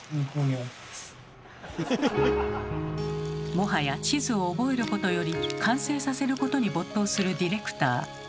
もはや地図を覚えることより完成させることに没頭するディレクター。